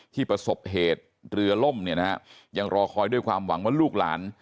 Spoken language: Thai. ประสบเหตุเรือล่มเนี่ยนะฮะยังรอคอยด้วยความหวังว่าลูกหลาน